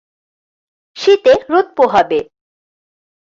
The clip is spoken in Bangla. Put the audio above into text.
শীতে রোদ পোহাবে।